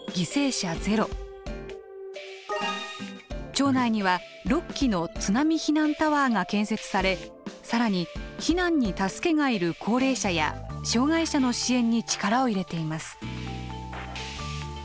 町内には６基の津波避難タワーが建設され更に避難に助けがいる高齢者や障害者の支援に力を入れています。